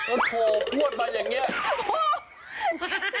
โอ้โหพวดมาอย่างนี้